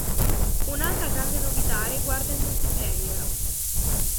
Un'altra grande novità riguarda il multiplayer.